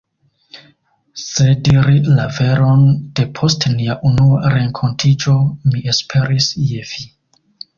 Se diri la veron, de post nia unua renkontiĝo mi esperis je vi!